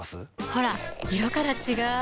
ほら色から違う！